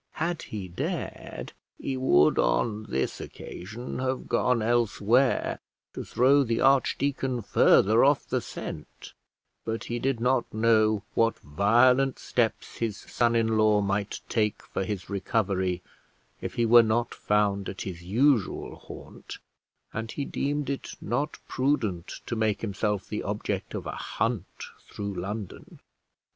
Had he dared, he would on this occasion have gone elsewhere to throw the archdeacon further off the scent; but he did not know what violent steps his son in law might take for his recovery if he were not found at his usual haunt, and he deemed it not prudent to make himself the object of a hunt through London.